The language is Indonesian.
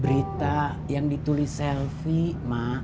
berita yang ditulis selfie mak